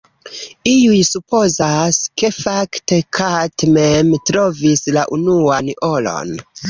Iuj supozas, ke fakte Kate mem trovis la unuan oron.